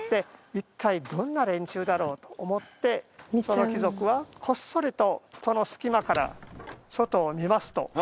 いったいどんな連中だろうと思ってその貴族はこっそりと戸の隙間から外を見ますと。